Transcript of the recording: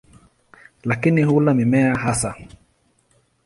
Lakini hula mimea hasa.